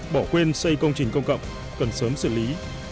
bỏ quên xây công trình công cộng cần sớm xử lý